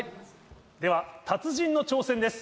では達人の挑戦です。